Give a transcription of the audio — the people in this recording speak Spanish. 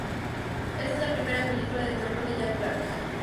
Esta es la primera película de terror de Jack Black.